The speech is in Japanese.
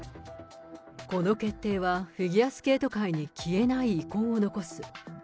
この決定は、フィギュアスケート界に消えない遺恨を残す。